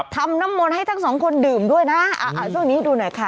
ทำน้ำมนต์ให้ทั้งสองคนดื่มด้วยนะช่วงนี้ดูหน่อยค่ะ